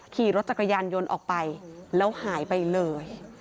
ขี่รถจักรยานยนต์ออกไปแล้วหายไปเลย